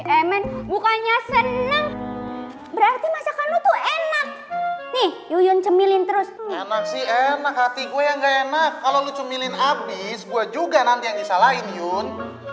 emen mukanya seneng berarti masakan lu tuh enak nih uyun cemilin terus enak sih enak hati gue yang enak kalau lu cemilin habis gua juga nanti yang disalahin yun